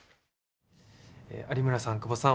有村さん、久保さん